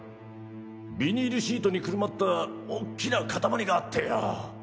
ビニールシートにくるまったおっきな塊があってよぉ。